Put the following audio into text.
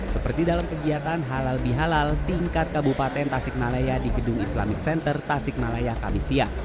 seperti dalam kegiatan halal bihalal tingkat kabupaten tasikmalaya di gedung islamic center tasikmalaya kamisia